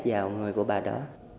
vào người của bà đó